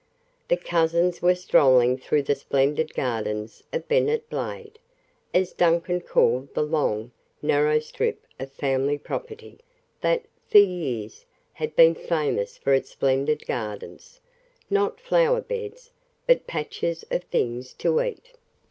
The cousins were strolling through the splendid gardens of Bennet Blade, as Duncan called the long, narrow strip of family property that, for years, had been famous for its splendid gardens, not flower beds, but patches of things to eat.